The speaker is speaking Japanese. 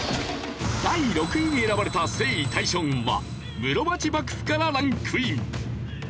第６位に選ばれた征夷大将軍は室町幕府からランクイン。